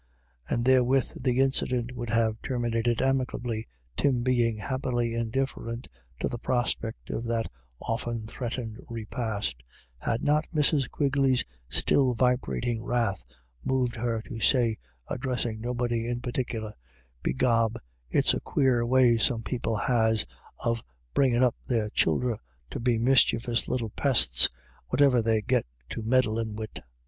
And therewith the incident would have ter minated amicably, Tim being, happily indifferent to the prospect of that often threatened repast, had not Mrs. Quigley's still vibrating wrath moved her to say, addressing nobody in particular : "Begob, it's a quare way some people has of bringin' up their childer to be mischievous little pests, whatever they get to meddlin' wid."